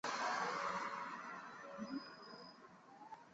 是一座建于辽代的经幢。